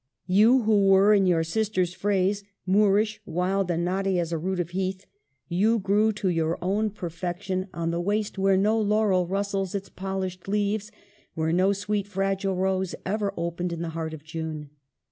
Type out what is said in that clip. You, who were, in your sister's phrase, "moorish, wild and knotty as a root of heath," you grew to your own perfection 19 290 EMILY BRONTE. on the waste where no laurel rustles its polished leaves, where no sweet, fragile rose ever opened in the heart of June.